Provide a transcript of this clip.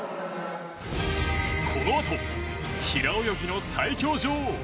このあと平泳ぎの最強女王